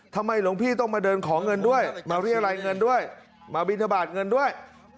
หลวงพี่ต้องมาเดินขอเงินด้วยมาเรียรายเงินด้วยมาบินทบาทเงินด้วย